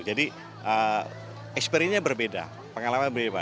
jadi eksperimennya berbeda pengalaman berbeda